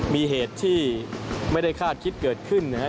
มีเหตุที่ไม่ได้คาดคิดเกิดขึ้นนะครับ